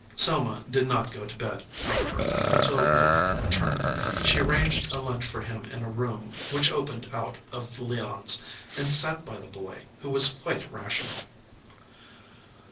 Selma did not go to bed, however, until Luke returned. She arranged a lunch for him in a room which opened out of Leon s, and sat by the boy, who was quite rational.